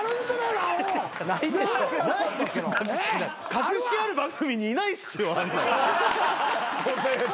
格式ある番組にいないですよあんなん。